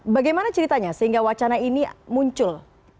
bagaimana ceritanya sehingga wacana ini muncul